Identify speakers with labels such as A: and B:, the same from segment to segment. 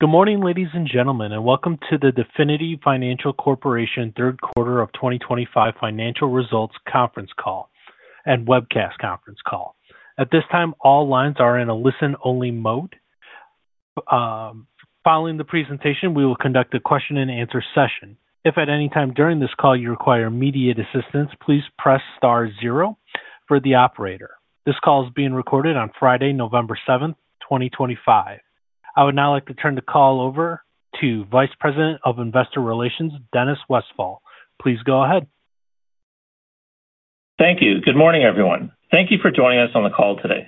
A: Good morning, ladies and gentlemen, and welcome to the Definity Financial Corporation Third Quarter of 2025 Financial Results Conference Call and Webcast Conference Call. At this time, all lines are in a listen-only mode. Following the presentation, we will conduct a question-and-answer session. If at any time during this call you require immediate assistance, please press star zero for the operator. This call is being recorded on Friday, November 7th, 2025. I would now like to turn the call over to Vice President of Investor Relations, Dennis Westfall. Please go ahead.
B: Thank you. Good morning, everyone. Thank you for joining us on the call today.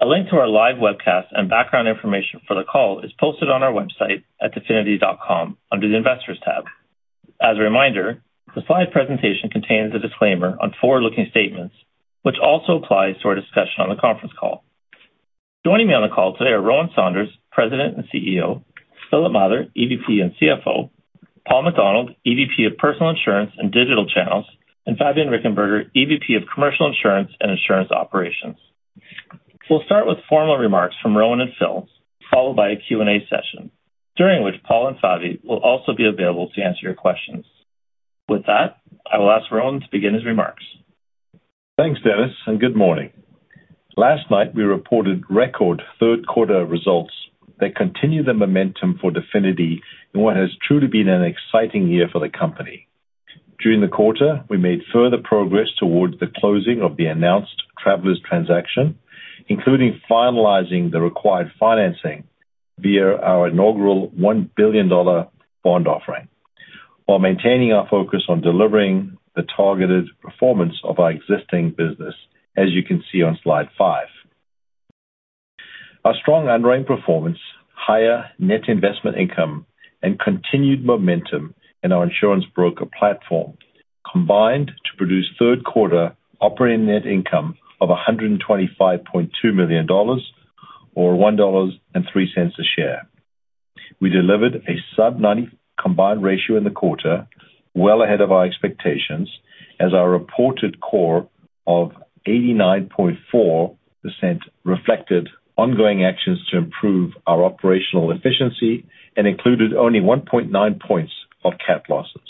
B: A link to our live webcast and background information for the call is posted on our website at definity.com under the Investors tab. As a reminder, the slide presentation contains a disclaimer on forward-looking statements, which also applies to our discussion on the conference call. Joining me on the call today are Rowan Saunders, President and CEO; Philip Mather, EVP and CFO; Paul MacDonald, EVP of Personal Insurance and Digital Channels; and Fabian Richenberger, EVP of Commercial Insurance and Insurance Operations. We will start with formal remarks from Rowan and Phil, followed by a Q&A session, during which Paul and Fabian will also be available to answer your questions. With that, I will ask Rowan to begin his remarks.
C: Thanks, Dennis, and good morning. Last night, we reported record third-quarter results that continue the momentum for Definity in what has truly been an exciting year for the company. During the quarter, we made further progress towards the closing of the announced Travelers transaction, including finalizing the required financing via our inaugural $1 billion bond offering, while maintaining our focus on delivering the targeted performance of our existing business, as you can see on slide five. Our strong underwriting performance, higher net investment income, and continued momentum in our insurance broker platform combined to produce third-quarter operating net income of $125.2 million, or $1.03 a share. We delivered a sub-90% combined ratio in the quarter, well ahead of our expectations, as our reported core of 89.4% reflected ongoing actions to improve our operational efficiency and included only 1.9 points of cap losses.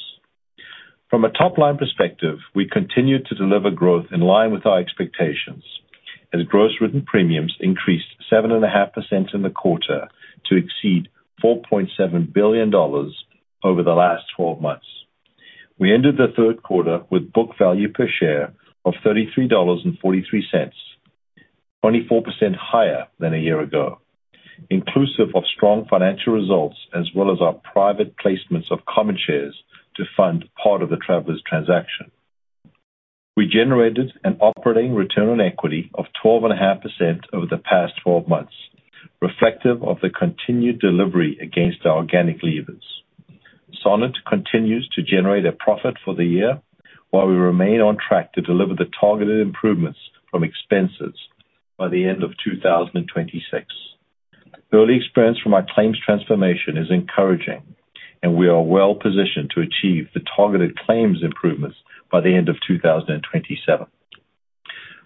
C: From a top-line perspective, we continued to deliver growth in line with our expectations, as gross written premiums increased 7.5% in the quarter to exceed $4.7 billion over the last 12 months. We ended the third quarter with book value per share of $33.43, 24% higher than a year ago, inclusive of strong financial results as well as our private placements of common shares to fund part of the Travelers transaction. We generated an operating return on equity of 12.5% over the past 12 months, reflective of the continued delivery against our organic levers. Sonnet continues to generate a profit for the year, while we remain on track to deliver the targeted improvements from expenses by the end of 2026. Early experience from our claims transformation is encouraging, and we are well positioned to achieve the targeted claims improvements by the end of 2027.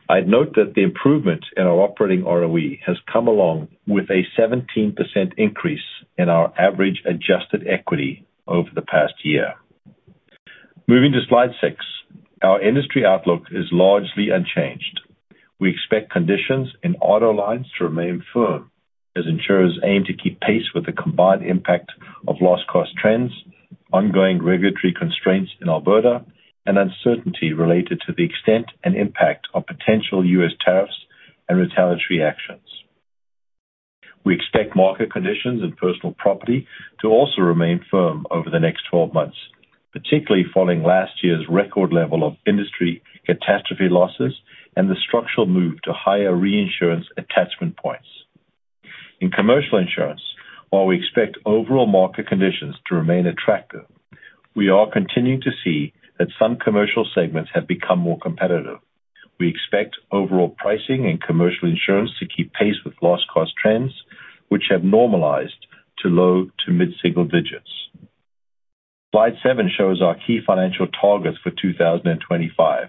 C: I'd note that the improvement in our operating ROE has come along with a 17% increase in our average adjusted equity over the past year. Moving to slide six, our industry outlook is largely unchanged. We expect conditions in auto lines to remain firm, as insurers aim to keep pace with the combined impact of loss-cost trends, ongoing regulatory constraints in Alberta, and uncertainty related to the extent and impact of potential U.S. tariffs and retaliatory actions. We expect market conditions in personal property to also remain firm over the next 12 months, particularly following last year's record level of industry catastrophe losses and the structural move to higher reinsurance attachment points. In commercial insurance, while we expect overall market conditions to remain attractive, we are continuing to see that some commercial segments have become more competitive. We expect overall pricing in commercial insurance to keep pace with loss-cost trends, which have normalized to low to mid-single digits. Slide seven shows our key financial targets for 2025.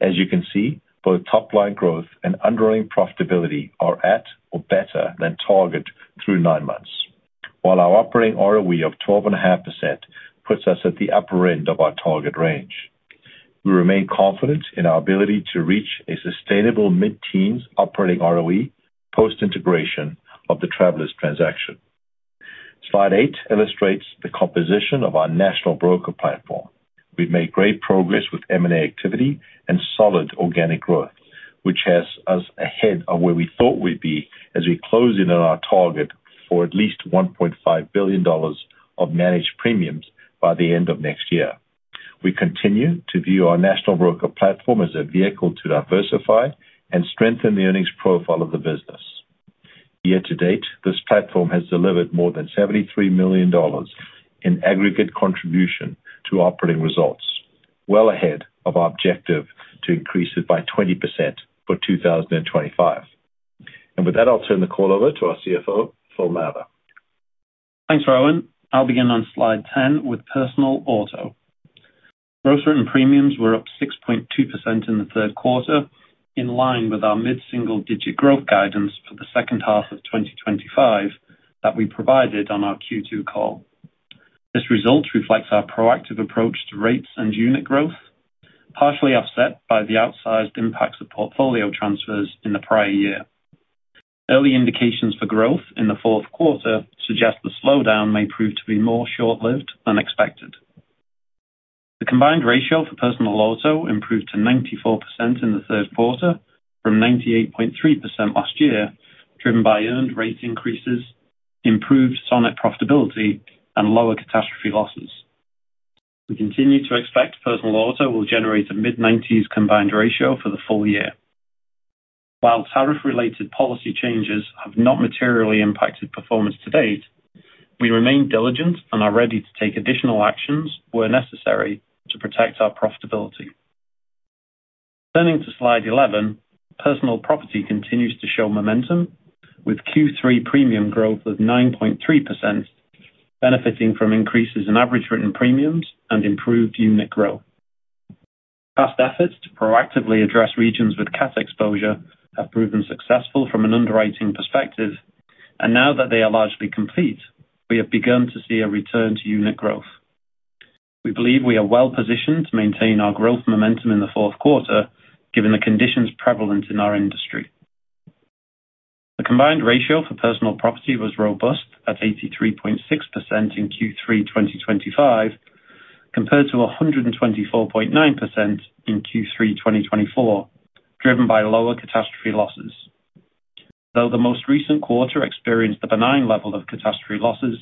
C: As you can see, both top-line growth and underwriting profitability are at or better than target through nine months, while our operating ROE of 12.5% puts us at the upper end of our target range. We remain confident in our ability to reach a sustainable mid-teens operating ROE post-integration of the Travelers transaction. Slide eight illustrates the composition of our national broker platform. We have made great progress with M&A activity and solid organic growth, which has us ahead of where we thought we would be as we close in on our target for at least $1.5 billion of managed premiums by the end of next year. We continue to view our national broker platform as a vehicle to diversify and strengthen the earnings profile of the business. Year-to-date, this platform has delivered more than $73 million in aggregate contribution to operating results, well ahead of our objective to increase it by 20% for 2025. With that, I'll turn the call over to our CFO, Philip Mather.
D: Thanks, Rowan. I'll begin on slide 10 with personal auto. Gross written premiums were up 6.2% in the third quarter, in line with our mid-single digit growth guidance for the second half of 2025 that we provided on our Q2 call. This result reflects our proactive approach to rates and unit growth, partially offset by the outsized impacts of portfolio transfers in the prior year. Early indications for growth in the fourth quarter suggest the slowdown may prove to be more short-lived than expected. The combined ratio for personal auto improved to 94% in the third quarter, from 98.3% last year, driven by earned rate increases, improved Sonnet profitability, and lower catastrophe losses. We continue to expect personal auto will generate a mid-90s combined ratio for the full year. While tariff-related policy changes have not materially impacted performance to date, we remain diligent and are ready to take additional actions where necessary to protect our profitability. Turning to slide 11, personal property continues to show momentum, with Q3 premium growth of 9.3%, benefiting from increases in average written premiums and improved unit growth. Past efforts to proactively address regions with cap exposure have proven successful from an underwriting perspective, and now that they are largely complete, we have begun to see a return to unit growth. We believe we are well positioned to maintain our growth momentum in the fourth quarter, given the conditions prevalent in our industry. The combined ratio for personal property was robust at 83.6% in Q3 2025, compared to 124.9% in Q3 2024, driven by lower catastrophe losses. Though the most recent quarter experienced a benign level of catastrophe losses,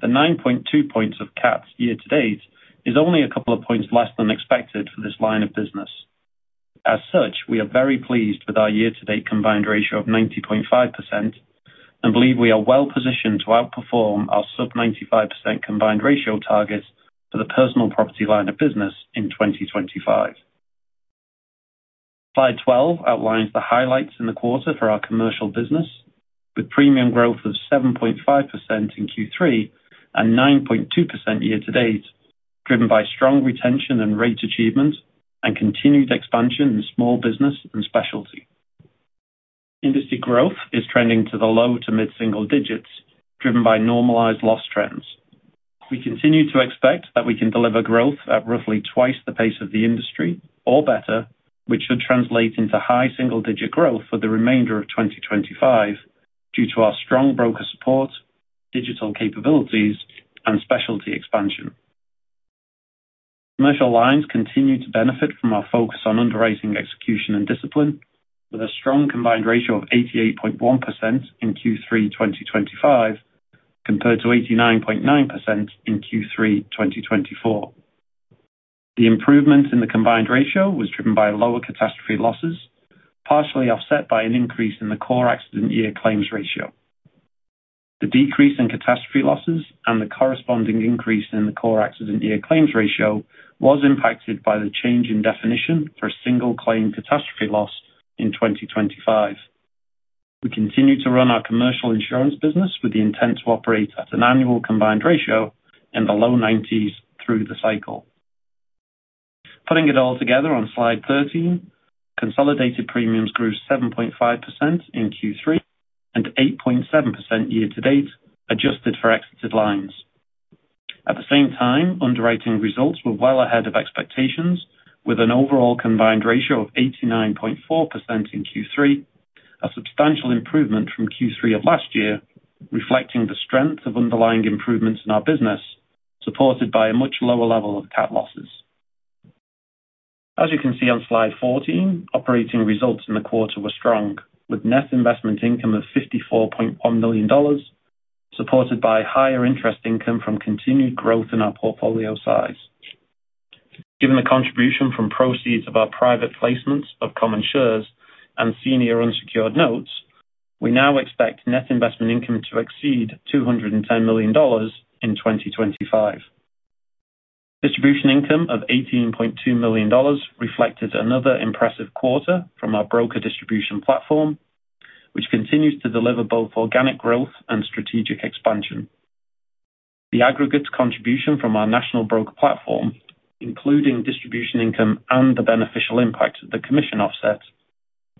D: the 9.2 points of caps year-to-date is only a couple of points less than expected for this line of business. As such, we are very pleased with our year-to-date combined ratio of 90.5% and believe we are well-positioned to outperform our sub-95% combined ratio targets for the personal property line of business in 2025. Slide 12 outlines the highlights in the quarter for our commercial business, with premium growth of 7.5% in Q3 and 9.2% year-to-date, driven by strong retention and rate achievement, and continued expansion in small business and specialty. Industry growth is trending to the low to mid-single digits, driven by normalized loss trends. We continue to expect that we can deliver growth at roughly twice the pace of the industry or better, which should translate into high single-digit growth for the remainder of 2025 due to our strong broker support, digital capabilities, and specialty expansion. Commercial lines continue to benefit from our focus on underwriting execution and discipline, with a strong combined ratio of 88.1% in Q3 2025, compared to 89.9% in Q3 2024. The improvement in the combined ratio was driven by lower catastrophe losses, partially offset by an increase in the core accident year claims ratio. The decrease in catastrophe losses and the corresponding increase in the core accident year claims ratio was impacted by the change in definition for a single claim catastrophe loss in 2025. We continue to run our commercial insurance business with the intent to operate at an annual combined ratio in the low 90s through the cycle. Putting it all together on slide 13, consolidated premiums grew 7.5% in Q3 and 8.7% year-to-date, adjusted for exited lines. At the same time, underwriting results were well ahead of expectations, with an overall combined ratio of 89.4% in Q3, a substantial improvement from Q3 of last year, reflecting the strength of underlying improvements in our business, supported by a much lower level of cap losses. As you can see on slide 14, operating results in the quarter were strong, with net investment income of $54.1 billion, supported by higher interest income from continued growth in our portfolio size. Given the contribution from proceeds of our private placements of common shares and senior unsecured notes, we now expect net investment income to exceed $210 million in 2025. Distribution income of $18.2 million reflected another impressive quarter from our broker distribution platform, which continues to deliver both organic growth and strategic expansion. The aggregate contribution from our national broker platform, including distribution income and the beneficial impact of the commission offset,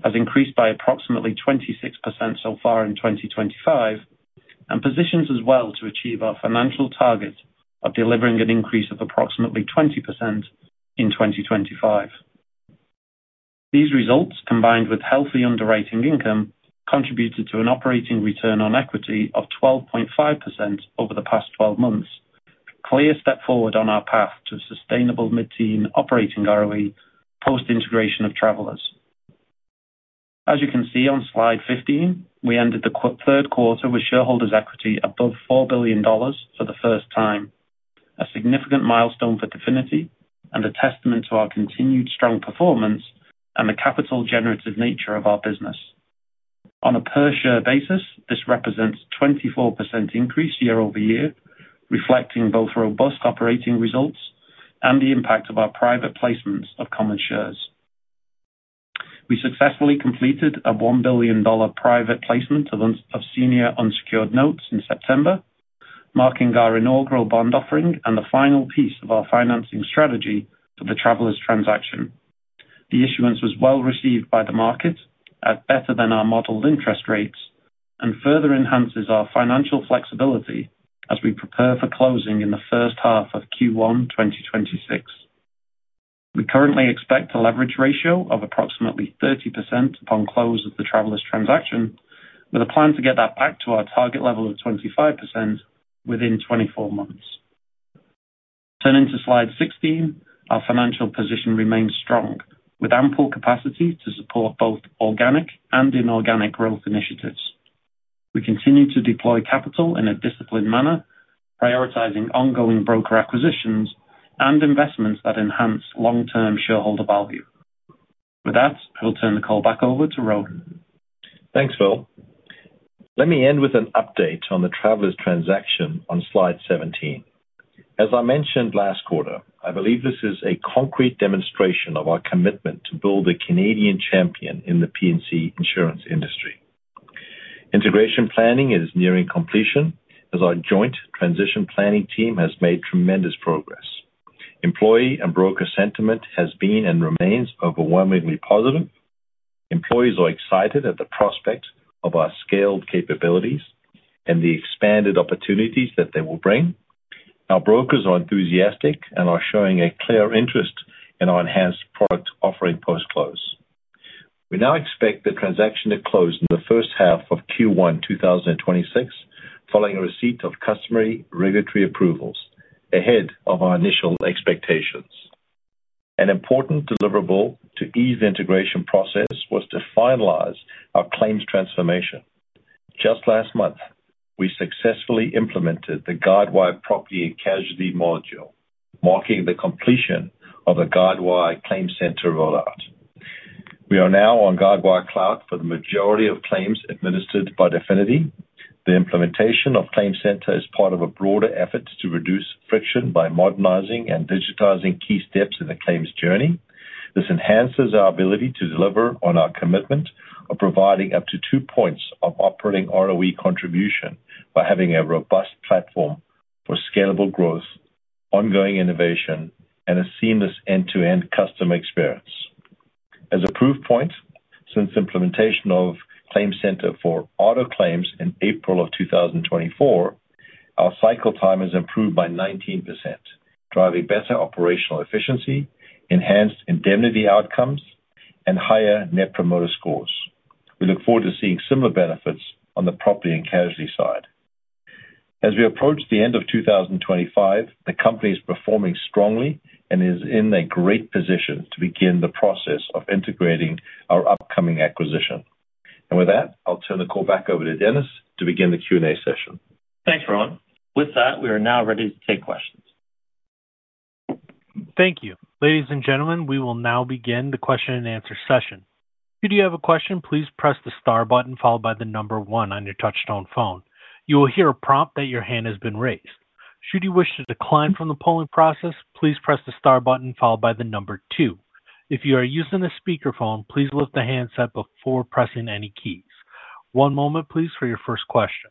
D: has increased by approximately 26% so far in 2025 and positions us well to achieve our financial target of delivering an increase of approximately 20% in 2025. These results, combined with healthy underwriting income, contributed to an operating return on equity of 12.5% over the past 12 months, a clear step forward on our path to sustainable mid-teen operating ROE post-integration of Travelers. As you can see on slide 15, we ended the third quarter with shareholders' equity above $4 billion for the first time, a significant milestone for Definity and a testament to our continued strong performance and the capital-generative nature of our business. On a per-share basis, this represents a 24% increase year-over-year, reflecting both robust operating results and the impact of our private placements of common shares. We successfully completed a $1 billion private placement of senior unsecured notes in September, marking our inaugural bond offering and the final piece of our financing strategy for the Travelers transaction. The issuance was well received by the market, better than our modeled interest rates, and further enhances our financial flexibility as we prepare for closing in the first half of Q1 2026. We currently expect a leverage ratio of approximately 30% upon close of the Travelers transaction, with a plan to get that back to our target level of 25% within 24 months. Turning to slide 16, our financial position remains strong, with ample capacity to support both organic and inorganic growth initiatives. We continue to deploy capital in a disciplined manner, prioritizing ongoing broker acquisitions and investments that enhance long-term shareholder value. With that, we'll turn the call back over to Rowan.
C: Thanks, Phil. Let me end with an update on the Travelers transaction on slide 17. As I mentioned last quarter, I believe this is a concrete demonstration of our commitment to build a Canadian champion in the P&C insurance industry. Integration planning is nearing completion as our joint transition planning team has made tremendous progress. Employee and broker sentiment has been and remains overwhelmingly positive. Employees are excited at the prospect of our scaled capabilities and the expanded opportunities that they will bring. Our brokers are enthusiastic and are showing a clear interest in our enhanced product offering post-close. We now expect the transaction to close in the first half of Q1 2026, following receipt of customary regulatory approvals, ahead of our initial expectations. An important deliverable to ease the integration process was to finalize our claims transformation. Just last month, we successfully implemented the Guidewire Property and Casualty module, marking the completion of the Guidewire Claim Center rollout. We are now on Guidewire Cloud for the majority of claims administered by Definity. The implementation of Claim Center is part of a broader effort to reduce friction by modernizing and digitizing key steps in the claims journey. This enhances our ability to deliver on our commitment of providing up to two points of operating ROE contribution by having a robust platform for scalable growth, ongoing innovation, and a seamless end-to-end customer experience. As a proof point, since implementation of Claim Center for auto claims in April of 2024, our cycle time has improved by 19%, driving better operational efficiency, enhanced indemnity outcomes, and higher net promoter scores. We look forward to seeing similar benefits on the property and casualty side. As we approach the end of 2025, the company is performing strongly and is in a great position to begin the process of integrating our upcoming acquisition. With that, I'll turn the call back over to Dennis to begin the Q&A session.
B: Thanks, Rowan. With that, we are now ready to take questions.
A: Thank you. Ladies and gentlemen, we will now begin the question-and-answer session. Should you have a question, please press the star button followed by the number one on your touch-tone phone. You will hear a prompt that your hand has been raised. Should you wish to decline from the polling process, please press the star button followed by the number two. If you are using a speakerphone, please lift the handset before pressing any keys. One moment, please, for your first question.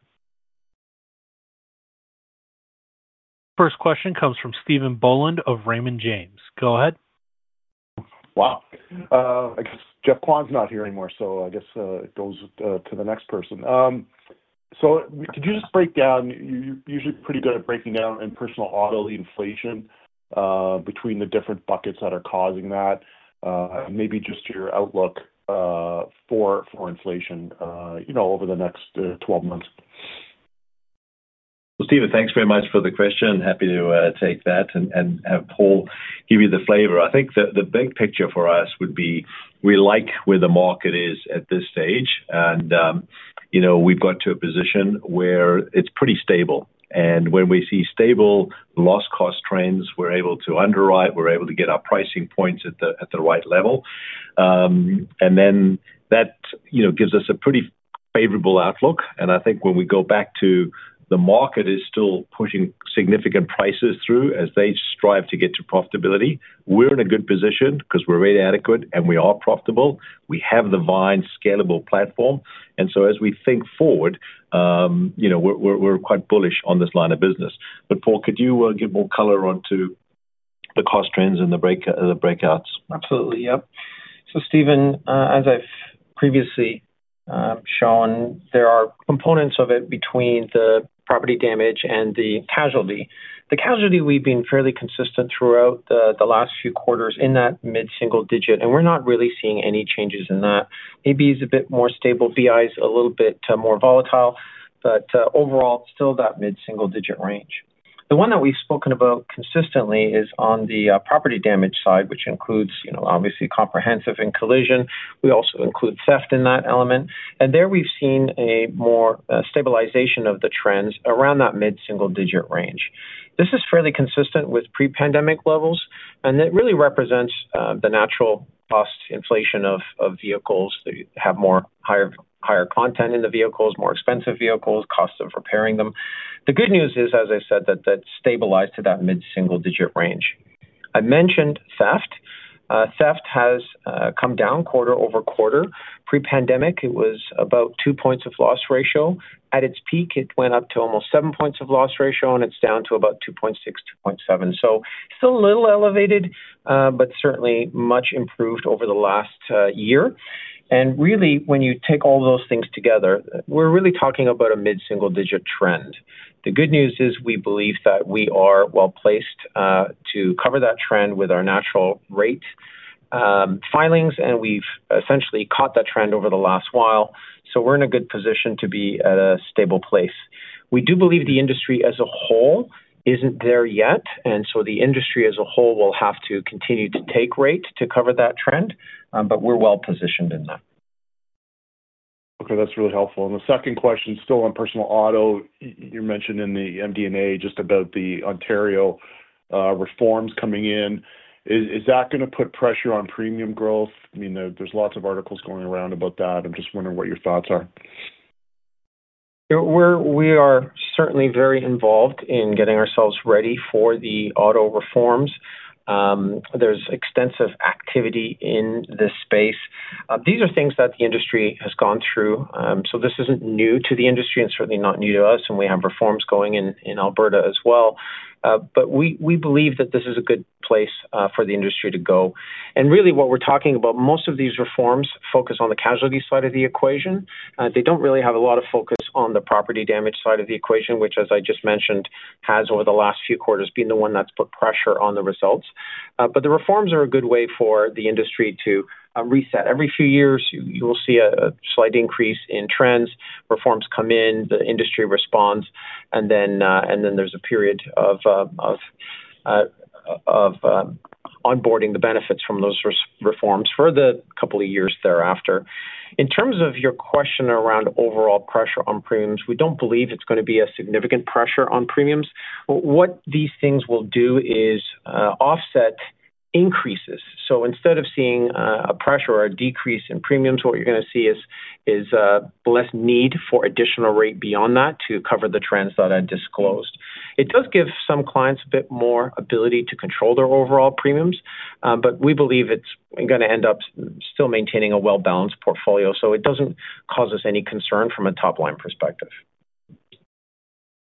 A: First question comes from Stephen Boland of Raymond James. Go ahead.
E: Wow. I guess Jeff Kwan's not here anymore, so I guess it goes to the next person. Could you just break down—you’re usually pretty good at breaking down in personal auto the inflation between the different buckets that are causing that? Maybe just your outlook for inflation over the next 12 months.
C: Stephen, thanks very much for the question. Happy to take that and have Paul give you the flavor. I think the big picture for us would be we like where the market is at this stage, and we've got to a position where it's pretty stable. When we see stable loss-cost trends, we're able to underwrite, we're able to get our pricing points at the right level. That gives us a pretty favorable outlook. I think when we go back to the market is still pushing significant prices through as they strive to get to profitability, we're in a good position because we're rate adequate and we are profitable. We have the vine, scalable platform. As we think forward, we're quite bullish on this line of business. Paul, could you give more color onto the cost trends and the breakouts?
F: Absolutely. Yep. So Stephen, as I've previously shown, there are components of it between the property damage and the casualty. The casualty, we've been fairly consistent throughout the last few quarters in that mid-single digit, and we're not really seeing any changes in that. AB is a bit more stable. BI is a little bit more volatile, but overall, still that mid-single digit range. The one that we've spoken about consistently is on the property damage side, which includes obviously comprehensive and collision. We also include theft in that element. There we've seen a more stabilization of the trends around that mid-single digit range. This is fairly consistent with pre-pandemic levels, and it really represents the natural cost inflation of vehicles that have more higher content in the vehicles, more expensive vehicles, cost of repairing them. The good news is, as I said, that that's stabilized to that mid-single digit range. I mentioned theft. Theft has come down quarter-over-quarter. Pre-pandemic, it was about two percentage points of loss ratio. At its peak, it went up to almost seven percentage points of loss ratio, and it's down to about 2.6, 2.7. It is still a little elevated, but certainly much improved over the last year. Really, when you take all those things together, we are really talking about a mid-single digit trend. The good news is we believe that we are well placed to cover that trend with our natural rate filings, and we have essentially caught that trend over the last while. We are in a good position to be at a stable place. We do believe the industry as a whole is not there yet, and the industry as a whole will have to continue to take rate to cover that trend, but we are well-positioned in that.
E: Okay. That's really helpful. The second question, still on personal auto, you mentioned in the MD&A just about the Ontario reforms coming in. Is that going to put pressure on premium growth? I mean, there's lots of articles going around about that. I'm just wondering what your thoughts are.
F: We are certainly very involved in getting ourselves ready for the auto reforms. There is extensive activity in this space. These are things that the industry has gone through. This is not new to the industry and certainly not new to us. We have reforms going in Alberta as well. We believe that this is a good place for the industry to go. What we are talking about, most of these reforms focus on the casualty side of the equation. They do not really have a lot of focus on the property damage side of the equation, which, as I just mentioned, has over the last few quarters been the one that has put pressure on the results. The reforms are a good way for the industry to reset. Every few years, you will see a slight increase in trends. Reforms come in, the industry responds, and then there's a period of onboarding the benefits from those reforms for the couple of years thereafter. In terms of your question around overall pressure on premiums, we don't believe it's going to be a significant pressure on premiums. What these things will do is offset increases. Instead of seeing a pressure or a decrease in premiums, what you're going to see is less need for additional rate beyond that to cover the trends that I disclosed. It does give some clients a bit more ability to control their overall premiums, but we believe it's going to end up still maintaining a well-balanced portfolio. It doesn't cause us any concern from a top-line perspective.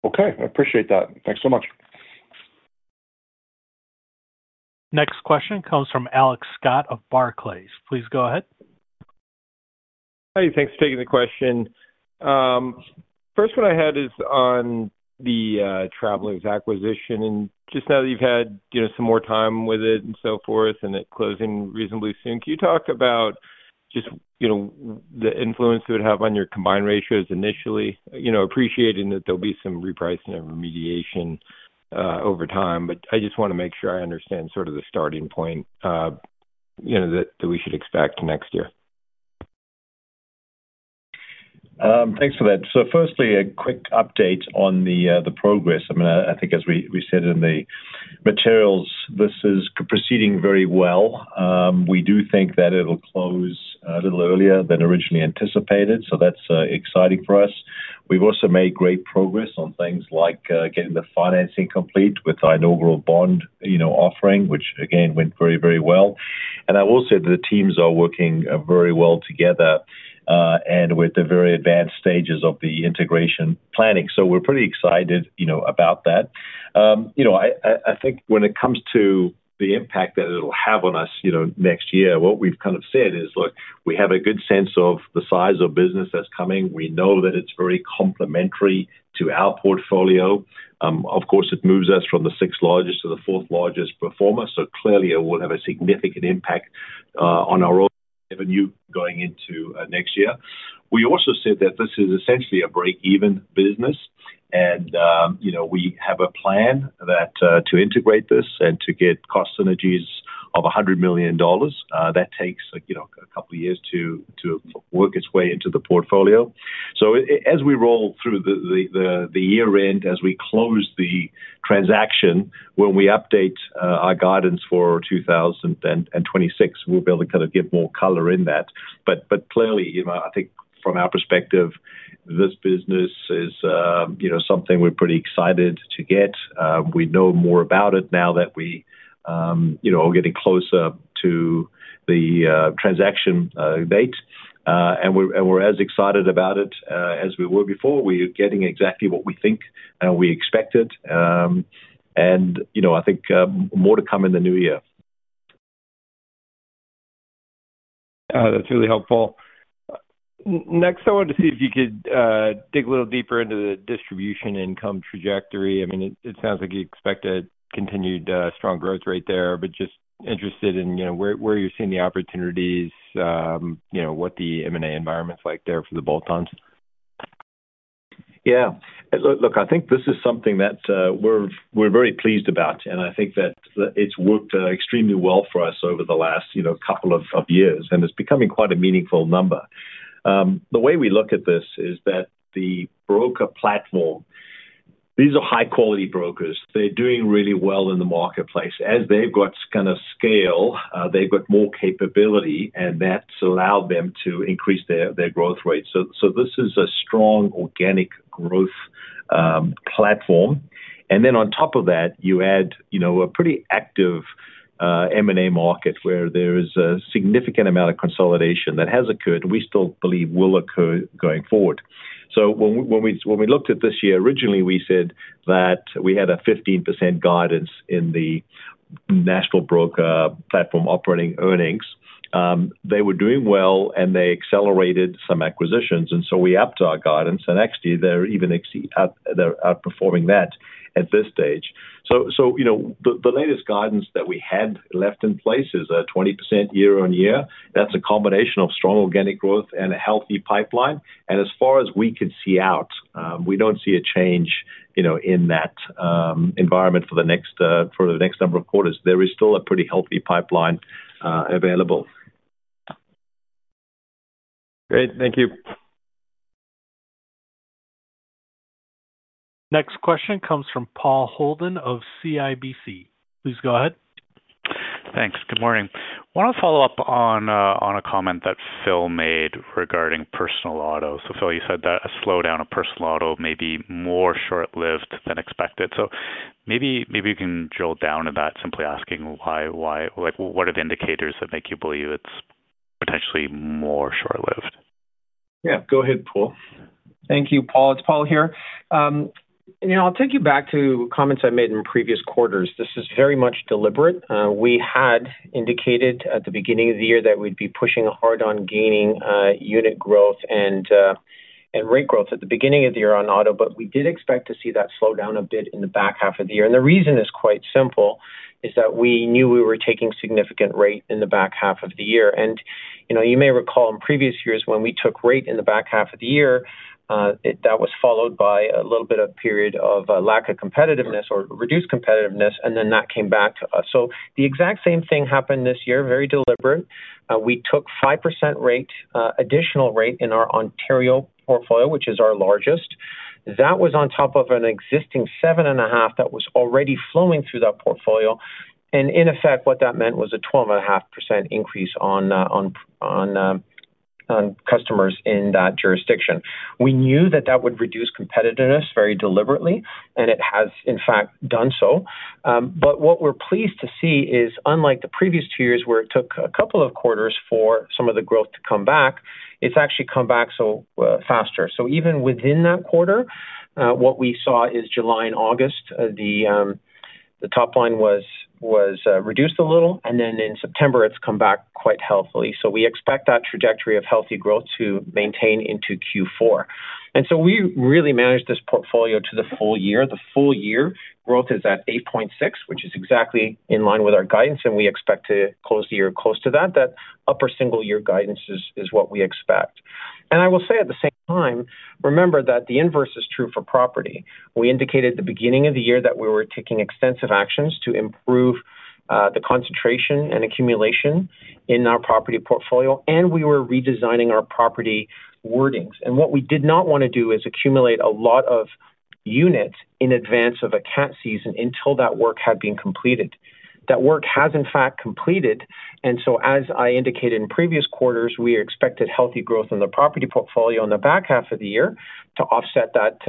E: Okay. I appreciate that. Thanks so much.
A: Next question comes from Alex Scott of Barclays. Please go ahead.
G: Hey, thanks for taking the question. First one I had is on the Travelers acquisition. Just now that you've had some more time with it and so forth and it closing reasonably soon, can you talk about just the influence it would have on your combined ratios initially, appreciating that there'll be some repricing and remediation over time? I just want to make sure I understand sort of the starting point that we should expect next year.
C: Thanks for that. Firstly, a quick update on the progress. I mean, I think as we said in the materials, this is proceeding very well. We do think that it'll close a little earlier than originally anticipated. That is exciting for us. We've also made great progress on things like getting the financing complete with our inaugural bond offering, which again went very, very well. I will say that the teams are working very well together and with the very advanced stages of the integration planning. We are pretty excited about that. I think when it comes to the impact that it'll have on us next year, what we've kind of said is, look, we have a good sense of the size of business that's coming. We know that it's very complementary to our portfolio. Of course, it moves us from the sixth largest to the fourth largest performer. Clearly, it will have a significant impact on our revenue going into next year. We also said that this is essentially a break-even business, and we have a plan to integrate this and to get cost synergies of $100 million. That takes a couple of years to work its way into the portfolio. As we roll through the year-end, as we close the transaction, when we update our guidance for 2026, we'll be able to kind of get more color in that. Clearly, I think from our perspective, this business is something we're pretty excited to get. We know more about it now that we are getting closer to the transaction date. We're as excited about it as we were before. We are getting exactly what we think and we expected. I think more to come in the new year.
G: That's really helpful. Next, I wanted to see if you could dig a little deeper into the distribution income trajectory. I mean, it sounds like you expect a continued strong growth rate there, but just interested in where you're seeing the opportunities, what the M&A environment's like there for the bolt-ons.
C: Yeah. Look, I think this is something that we're very pleased about, and I think that it's worked extremely well for us over the last couple of years, and it's becoming quite a meaningful number. The way we look at this is that the broker platform, these are high-quality brokers. They're doing really well in the marketplace. As they've got kind of scale, they've got more capability, and that's allowed them to increase their growth rate. This is a strong organic growth platform. On top of that, you add a pretty active M&A market where there is a significant amount of consolidation that has occurred and we still believe will occur going forward. When we looked at this year originally, we said that we had a 15% guidance in the national broker platform operating earnings. They were doing well, and they accelerated some acquisitions. We upped our guidance, and actually, they're even outperforming that at this stage. The latest guidance that we had left in place is a 20% year-on-year. That's a combination of strong organic growth and a healthy pipeline. As far as we could see out, we don't see a change in that environment for the next number of quarters. There is still a pretty healthy pipeline available.
G: Great. Thank you.
A: Next question comes from Paul Holden of CIBC. Please go ahead.
H: Thanks. Good morning. I want to follow up on a comment that Phil made regarding personal auto. Phil, you said that a slowdown of personal auto may be more short-lived than expected. Maybe you can drill down to that, simply asking why? What are the indicators that make you believe it's potentially more short-lived?
D: Yeah. Go ahead, Paul.
F: Thank you, Paul. It's Paul here. I'll take you back to comments I made in previous quarters. This is very much deliberate. We had indicated at the beginning of the year that we'd be pushing hard on gaining unit growth and rate growth at the beginning of the year on auto, but we did expect to see that slow down a bit in the back half of the year. The reason is quite simple: we knew we were taking significant rate in the back half of the year. You may recall in previous years when we took rate in the back half of the year, that was followed by a little bit of a period of lack of competitiveness or reduced competitiveness, and then that came back to us. The exact same thing happened this year, very deliberate. We took 5% additional rate in our Ontario portfolio, which is our largest. That was on top of an existing 7.5% that was already flowing through that portfolio. In effect, what that meant was a 12.5% increase on customers in that jurisdiction. We knew that that would reduce competitiveness very deliberately, and it has, in fact, done so. What we are pleased to see is, unlike the previous two years where it took a couple of quarters for some of the growth to come back, it has actually come back so much faster. Even within that quarter, what we saw is July and August, the top line was reduced a little, and then in September, it has come back quite healthily. We expect that trajectory of healthy growth to maintain into Q4. We really managed this portfolio to the full year. The full year growth is at 8.6%, which is exactly in line with our guidance, and we expect to close the year close to that. That upper single-year guidance is what we expect. I will say at the same time, remember that the inverse is true for property. We indicated at the beginning of the year that we were taking extensive actions to improve the concentration and accumulation in our property portfolio, and we were redesigning our property wordings. What we did not want to do is accumulate a lot of units in advance of a cat season until that work had been completed. That work has, in fact, completed. As I indicated in previous quarters, we expected healthy growth in the property portfolio in the back half of the year to offset that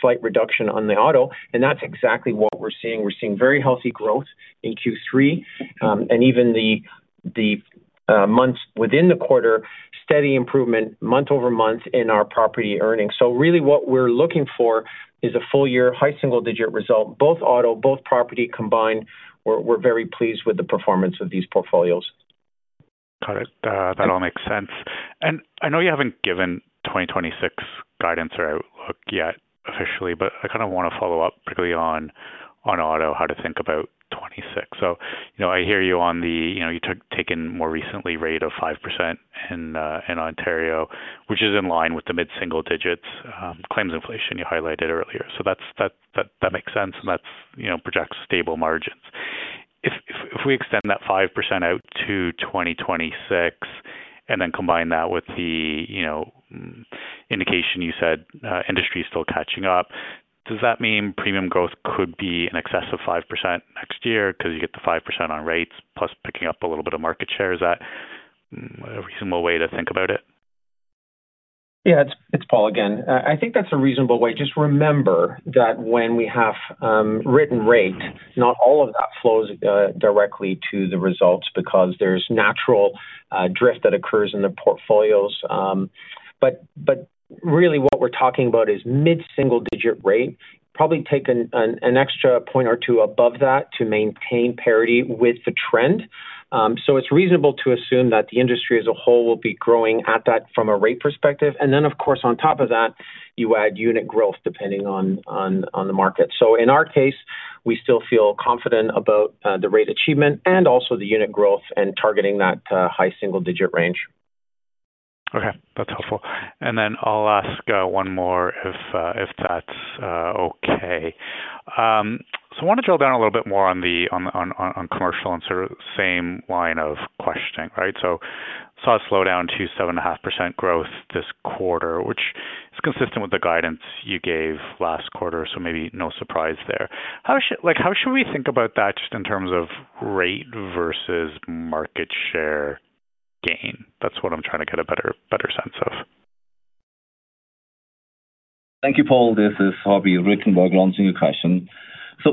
F: slight reduction on the auto. That is exactly what we are seeing. We're seeing very healthy growth in Q3 and even the months within the quarter, steady improvement month over month in our property earnings. What we're looking for is a full-year high single-digit result, both auto, both property combined. We're very pleased with the performance of these portfolios.
H: Got it. That all makes sense. I know you have not given 2026 guidance or outlook yet officially, but I kind of want to follow up quickly on auto, how to think about 2026. I hear you on the you took taken more recently rate of 5% in Ontario, which is in line with the mid-single digits claims inflation you highlighted earlier. That makes sense, and that projects stable margins. If we extend that 5% out to 2026 and then combine that with the indication you said industry is still catching up, does that mean premium growth could be in excess of 5% next year because you get the 5% on rates plus picking up a little bit of market share? Is that a reasonable way to think about it? Yeah. It's Paul again. I think that's a reasonable way. Just remember that when we have written rate, not all of that flows directly to the results because there's natural drift that occurs in the portfolios. But really, what we're talking about is mid-single-digit rate, probably take an extra point or two above that to maintain parity with the trend. It's reasonable to assume that the industry as a whole will be growing at that from a rate perspective. Of course, on top of that, you add unit growth depending on the market. In our case, we still feel confident about the rate achievement and also the unit growth and targeting that high single-digit range. Okay. That's helpful. I'll ask one more if that's okay. I want to drill down a little bit more on commercial and sort of same line of questioning, right? Saw a slowdown to 7.5% growth this quarter, which is consistent with the guidance you gave last quarter, so maybe no surprise there. How should we think about that just in terms of rate versus market share gain? That's what I'm trying to get a better sense of.
I: Thank you, Paul. This is Fabian Richenberger answering your question.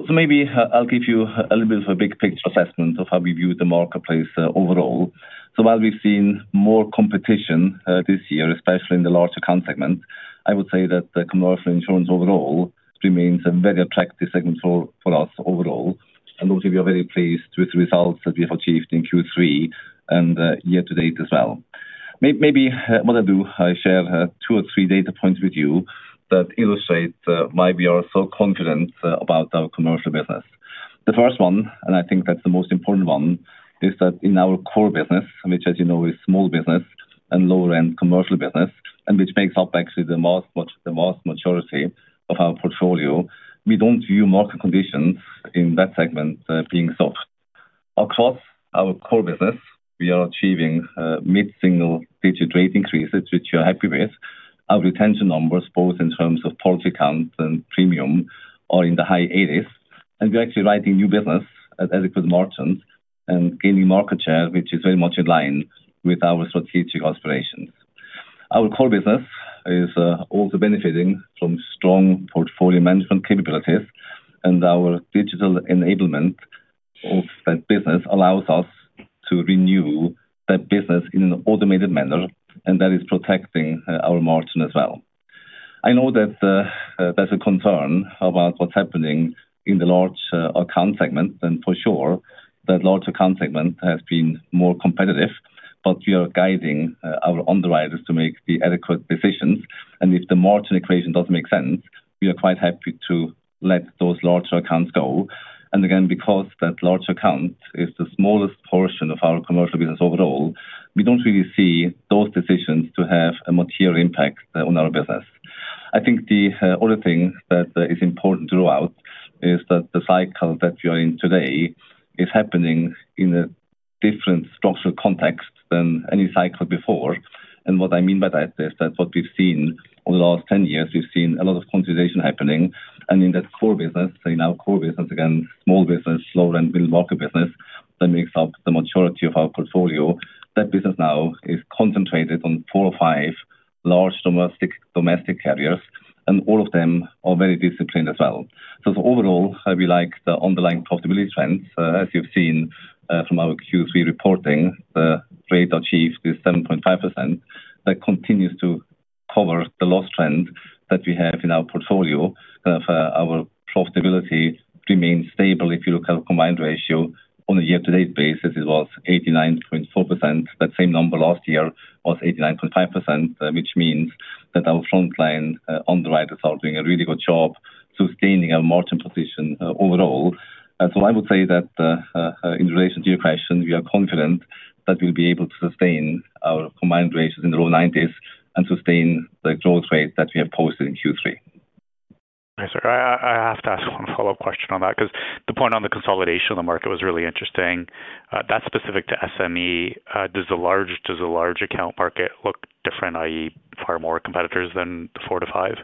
I: Maybe I'll give you a little bit of a big picture assessment of how we view the marketplace overall. While we've seen more competition this year, especially in the large account segment, I would say that commercial insurance overall remains a very attractive segment for us overall. Obviously, we are very pleased with the results that we have achieved in Q3 and year-to-date as well. Maybe what I'll do is share two or three data points with you that illustrate why we are so confident about our commercial business. The first one, and I think that's the most important one, is that in our core business, which, as you know, is small business and lower-end commercial business, and which makes up actually the vast majority of our portfolio, we don't view market conditions in that segment being soft. Across our core business, we are achieving mid-single-digit rate increases, which we are happy with. Our retention numbers, both in terms of policy account and premium, are in the high 80%. We're actually writing new business at adequate margins and gaining market share, which is very much in line with our strategic aspirations. Our core business is also benefiting from strong portfolio management capabilities, and our digital enablement of that business allows us to renew that business in an automated manner, and that is protecting our margin as well. I know that there's a concern about what's happening in the large account segment, and for sure, that large account segment has been more competitive, but we are guiding our underwriters to make the adequate decisions. If the margin equation doesn't make sense, we are quite happy to let those larger accounts go. Again, because that large account is the smallest portion of our commercial business overall, we don't really see those decisions to have a material impact on our business. I think the other thing that is important to rule out is that the cycle that we are in today is happening in a different structural context than any cycle before. What I mean by that is that what we've seen over the last 10 years, we've seen a lot of consolidation happening. In our core business, again, small business, lower-end mid-market business that makes up the majority of our portfolio, that business now is concentrated on four or five large domestic carriers, and all of them are very disciplined as well. Overall, we like the underlying profitability trends. As you've seen from our Q3 reporting, the rate achieved is 7.5%. That continues to cover the loss trend that we have in our portfolio. Our profitability remains stable. If you look at our combined ratio on a year-to-date basis, it was 89.4%. That same number last year was 89.5%, which means that our frontline underwriters are doing a really good job sustaining our margin position overall. I would say that in relation to your question, we are confident that we'll be able to sustain our combined ratios in the low 90s and sustain the growth rate that we have posted in Q3.
H: Nice. I have to ask one follow-up question on that because the point on the consolidation of the market was really interesting. That is specific to SME. Does the large account market look different, i.e., far more competitors than the four to five?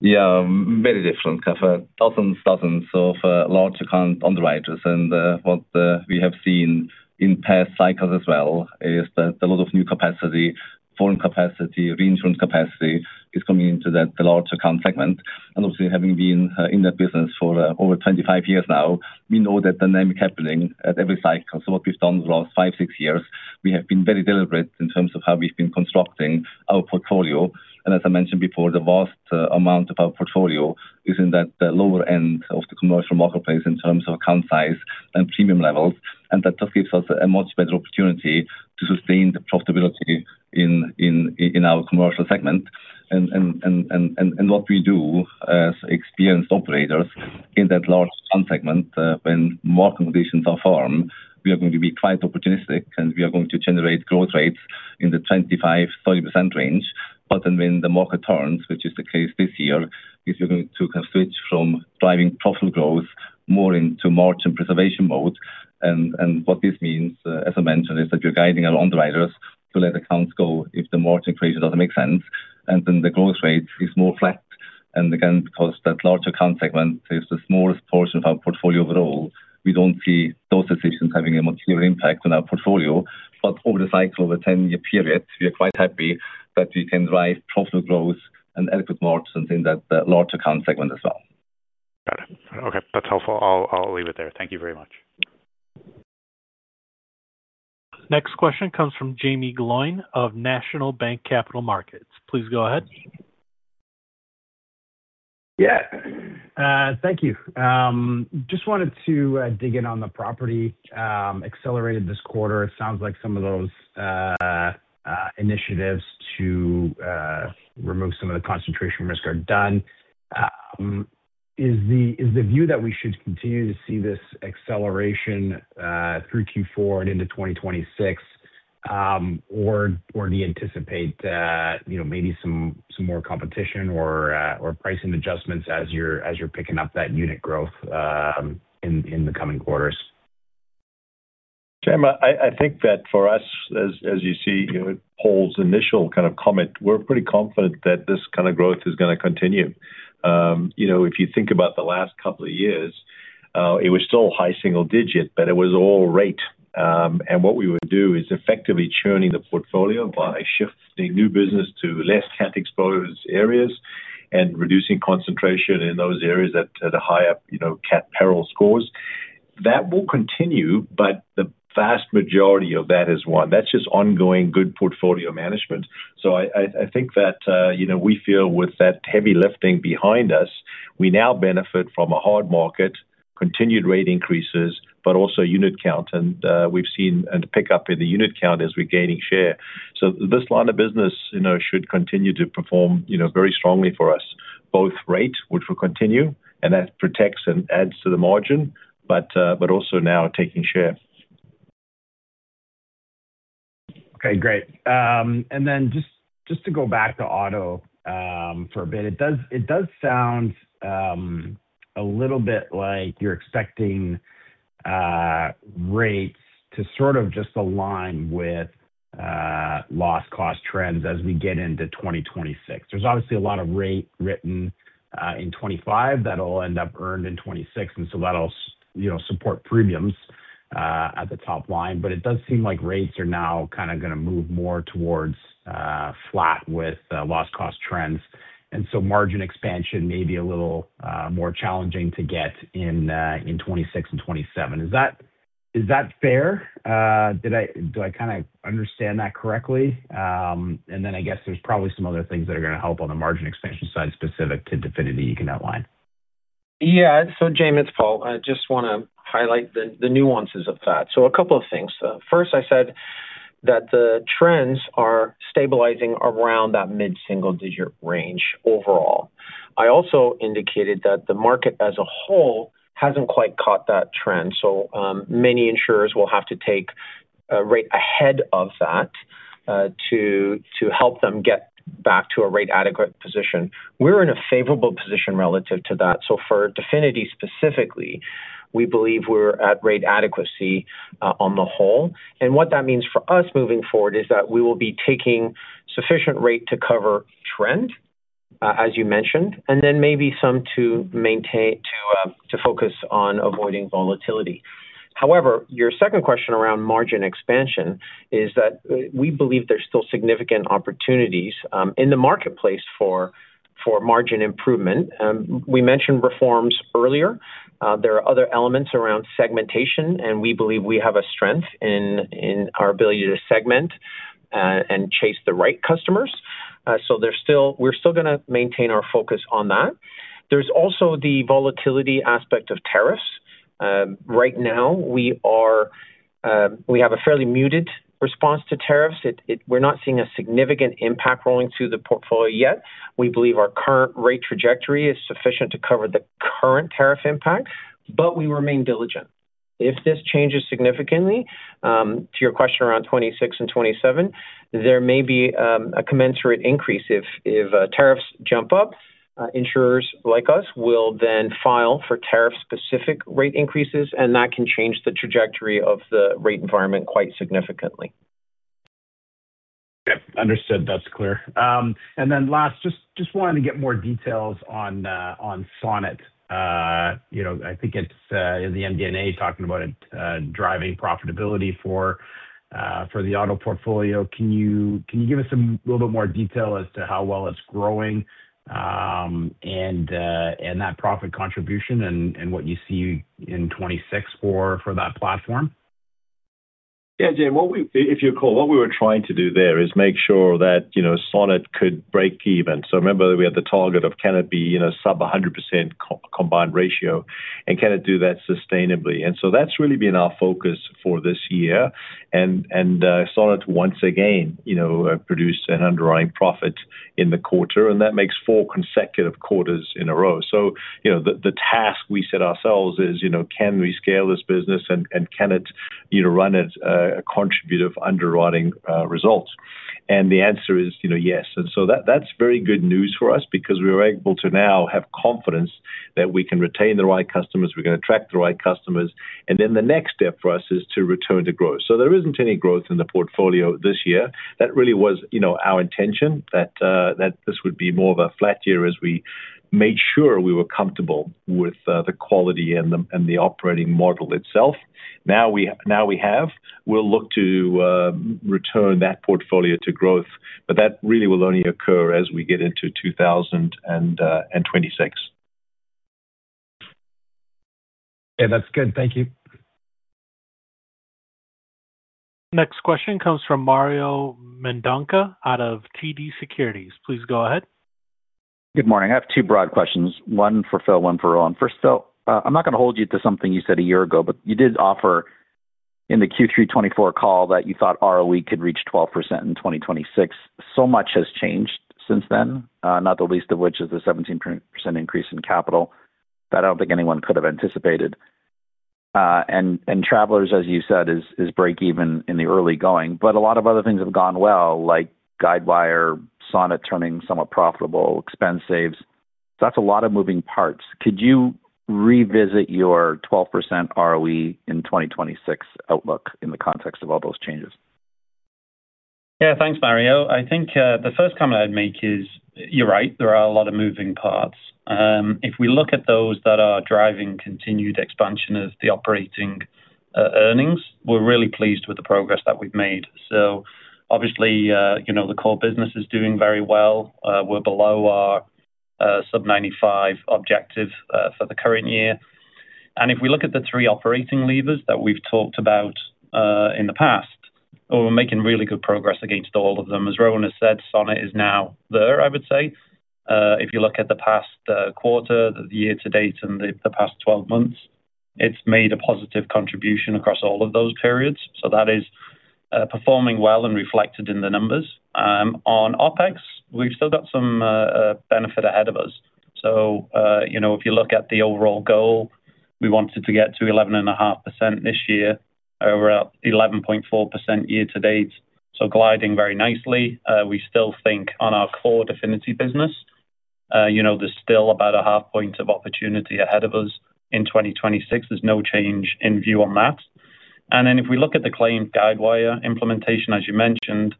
I: Yeah. Very different. Thousands, thousands of large account underwriters. What we have seen in past cycles as well is that a lot of new capacity, foreign capacity, reinsurance capacity is coming into that large account segment. Obviously, having been in that business for over 25 years now, we know that dynamic happening at every cycle. What we have done the last five, six years, we have been very deliberate in terms of how we have been constructing our portfolio. As I mentioned before, the vast amount of our portfolio is in that lower end of the commercial marketplace in terms of account size and premium levels. That just gives us a much better opportunity to sustain the profitability in our commercial segment. What we do as experienced operators in that large account segment, when market conditions are firm, we are going to be quite opportunistic, and we are going to generate growth rates in the 25%-30% range. When the market turns, which is the case this year, we are going to kind of switch from driving profitable growth more into margin preservation mode. What this means, as I mentioned, is that we are guiding our underwriters to let accounts go if the margin equation does not make sense. The growth rate is more flat. Again, because that large account segment is the smallest portion of our portfolio overall, we do not see those decisions having a material impact on our portfolio. Over the cycle of a 10-year period, we are quite happy that we can drive profitable growth and adequate margins in that large account segment as well.
H: Got it. Okay. That's helpful. I'll leave it there. Thank you very much.
A: Next question comes from Jaeme Gloyn of National Bank Capital Markets. Please go ahead.
J: Yeah. Thank you. Just wanted to dig in on the property accelerated this quarter. It sounds like some of those initiatives to remove some of the concentration risk are done. Is the view that we should continue to see this acceleration through Q4 and into 2026, or do you anticipate maybe some more competition or pricing adjustments as you're picking up that unit growth in the coming quarters?
C: Jaeme, I think that for us, as you see Paul's initial kind of comment, we're pretty confident that this kind of growth is going to continue. If you think about the last couple of years, it was still high single digit, but it was all rate. What we would do is effectively churning the portfolio by shifting new business to less cat-exposed areas and reducing concentration in those areas that had higher cat-peril scores. That will continue, but the vast majority of that is one. That is just ongoing good portfolio management. I think that we feel with that heavy lifting behind us, we now benefit from a hard market, continued rate increases, but also unit count. We have seen a pickup in the unit count as we're gaining share. This line of business should continue to perform very strongly for us, both rate, which will continue, and that protects and adds to the margin, but also now taking share.
J: Okay. Great. And then just to go back to auto for a bit, it does sound a little bit like you're expecting rates to sort of just align with loss-cost trends as we get into 2026. There's obviously a lot of rate written in 2025 that'll end up earned in 2026, and so that'll support premiums at the top line. But it does seem like rates are now kind of going to move more towards flat with loss-cost trends. And so margin expansion may be a little more challenging to get in 2026 and 2027. Is that fair? Do I kind of understand that correctly? And then I guess there's probably some other things that are going to help on the margin expansion side specific to Definity that you can outline.
F: Yeah. So Jaeme, it's Paul. I just want to highlight the nuances of that. A couple of things. First, I said that the trends are stabilizing around that mid-single-digit range overall. I also indicated that the market as a whole hasn't quite caught that trend. Many insurers will have to take a rate ahead of that to help them get back to a rate adequate position. We're in a favorable position relative to that. For Definity specifically, we believe we're at rate adequacy on the whole. What that means for us moving forward is that we will be taking sufficient rate to cover trend, as you mentioned, and then maybe some to focus on avoiding volatility. However, your second question around margin expansion is that we believe there's still significant opportunities in the marketplace for margin improvement. We mentioned reforms earlier. There are other elements around segmentation, and we believe we have a strength in our ability to segment and chase the right customers. We are still going to maintain our focus on that. There is also the volatility aspect of tariffs. Right now, we have a fairly muted response to tariffs. We are not seeing a significant impact rolling through the portfolio yet. We believe our current rate trajectory is sufficient to cover the current tariff impact, but we remain diligent. If this changes significantly, to your question around 2026 and 2027, there may be a commensurate increase. If tariffs jump up, insurers like us will then file for tariff-specific rate increases, and that can change the trajectory of the rate environment quite significantly.
J: Okay. Understood. That's clear. Last, just wanted to get more details on Sonnet. I think it's in the MD&A talking about it driving profitability for the auto portfolio. Can you give us a little bit more detail as to how well it's growing and that profit contribution and what you see in 2026 for that platform?
C: Yeah, Jaeme. If you're cool, what we were trying to do there is make sure that Sonnet could break even. Remember that we had the target of can it be sub 100% combined ratio and can it do that sustainably? That has really been our focus for this year. Sonnet, once again, produced an underlying profit in the quarter, and that makes four consecutive quarters in a row. The task we set ourselves is, can we scale this business and can it run at a contributive underwriting result? The answer is yes. That is very good news for us because we are able to now have confidence that we can retain the right customers, we can attract the right customers, and the next step for us is to return to growth. There is not any growth in the portfolio this year. That really was our intention, that this would be more of a flat year as we made sure we were comfortable with the quality and the operating model itself. Now we have, we'll look to return that portfolio to growth, but that really will only occur as we get into 2026.
J: Yeah, that's good. Thank you.
A: Next question comes from Mario Mendonca out of TD Securities. Please go ahead.
K: Good morning. I have two broad questions, one for Phil, one for Rowan. First, Phil, I'm not going to hold you to something you said a year ago, but you did offer in the Q3 2024 call that you thought ROE could reach 12% in 2026. So much has changed since then, not the least of which is the 17% increase in capital that I don't think anyone could have anticipated. And Travelers, as you said, is break even in the early going, but a lot of other things have gone well, like Guidewire, Sonnet's turning somewhat profitable, expense saves. That's a lot of moving parts. Could you revisit your 12% ROE in 2026 outlook in the context of all those changes?
D: Yeah, thanks, Mario. I think the first comment I'd make is you're right. There are a lot of moving parts. If we look at those that are driving continued expansion of the operating earnings, we're really pleased with the progress that we've made. Obviously, the core business is doing very well. We're below our sub-95% objective for the current year. If we look at the three operating levers that we've talked about in the past, we're making really good progress against all of them. As Rowan has said, Sonnet is now there, I would say. If you look at the past quarter, the year-to-date, and the past 12 months, it's made a positive contribution across all of those periods. That is performing well and reflected in the numbers. On OpEx, we've still got some benefit ahead of us. If you look at the overall goal, we wanted to get to 11.5% this year, we're at 11.4% year-to-date. Gliding very nicely. We still think on our core Definity business, there's still about a half point of opportunity ahead of us in 2026. There's no change in view on that. If we look at the claimed Guidewire implementation, as you mentioned,